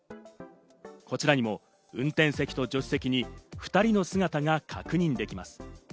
こちらにも運転席と助手席に２人の姿が確認できます。